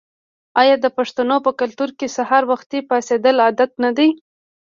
آیا د پښتنو په کلتور کې سهار وختي پاڅیدل عادت نه دی؟